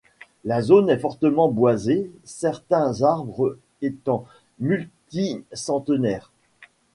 La zone est fortement boisée, certains arbres étant multicentenaires.